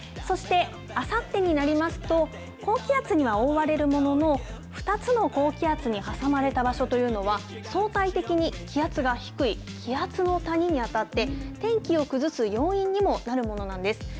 そしてあさってになりますと、高気圧には覆われるものの、２つの高気圧に挟まれた場所というのは、相対的に気圧が低い、気圧の谷に当たって、天気を崩す要因にもなるものなんです。